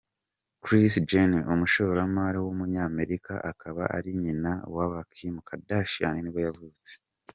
Kris Jenner, umushoramari w’umunyamerika akaba ari nyina wa ba Kim Kardashian nibwo yavutse.